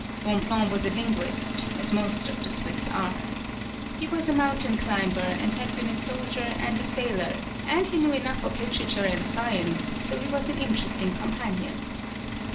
Bonpland was a linguist, as most of the Swiss are. He was a mountain climber, and had been a soldier and a sailor, and he knew enough of literature and science, so he was an interesting companion.